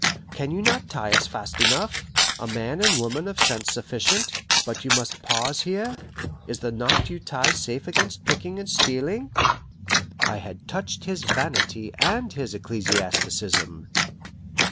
Can you not tie us fast enough, a man and woman of sense sufficient, but you must pause here? Is the knot you tie safe against picking and stealing?" I had touched his vanity and his ecclesiasticism.